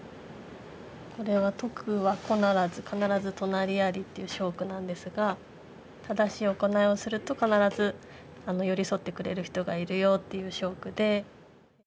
これは「徳は孤ならず必ず隣有り」っていう章句なんですが正しい行いをすると必ず寄り添ってくれる人がいるよっていう章句で。